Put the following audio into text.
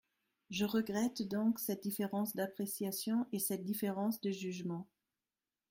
Je regrette donc cette différence d’appréciation et cette différence de jugement.